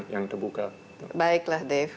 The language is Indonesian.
yang terbuka baiklah dave